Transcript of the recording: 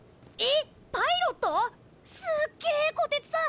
すっげえこてつさん！